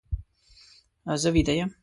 زه ویده یم.